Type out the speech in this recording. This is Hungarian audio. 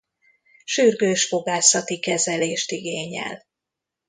Sürgős fogászati kezelést igényel.